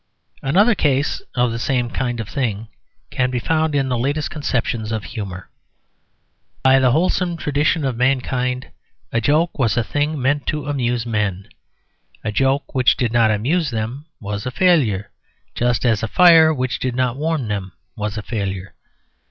Another case of the same kind of thing can be found in the latest conceptions of humour. By the wholesome tradition of mankind, a joke was a thing meant to amuse men; a joke which did not amuse them was a failure, just as a fire which did not warm them was a failure.